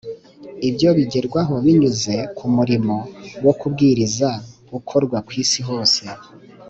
Ibyo bigerwaho binyuze ku murimo wo kubwiriza ukorwa ku isi hose